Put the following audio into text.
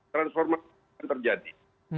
transformasi yang terjadi